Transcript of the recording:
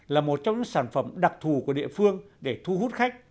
là một trong những sản phẩm đặc thù của địa phương để thu hút khách